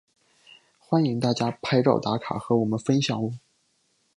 欢迎大家拍照打卡和我们分享喔！